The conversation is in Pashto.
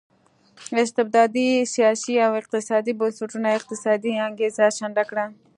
استبدادي سیاسي او اقتصادي بنسټونو اقتصادي انګېزه شنډه کړه.